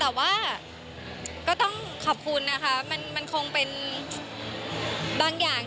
แต่ว่าก็ต้องขอบคุณนะคะมันคงเป็นบางอย่าง